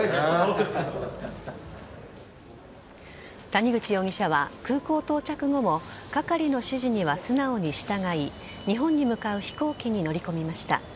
谷口容疑者は空港到着後も係の指示には素直に従い日本に向かう飛行機に乗り込みました。